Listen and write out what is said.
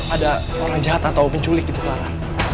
ada orang jahat atau penculik gitu malah